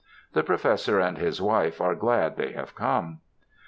The Professor and his wife are glad they have come.